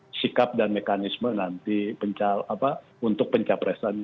ada sikap dan mekanisme nanti untuk pencapresan